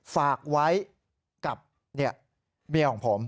ฝากไว้กับเมียของผม